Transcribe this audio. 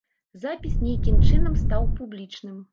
Запіс нейкім чынам стаў публічным.